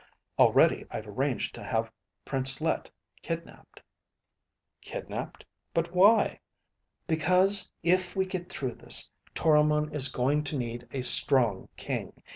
Already I've arranged to have Price Let kidnaped." "Kidnaped? But why?" "Because if we get through this, Toromon is going to need a strong king.